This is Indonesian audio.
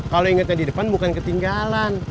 kalau ingatnya di depan bukan ketinggalan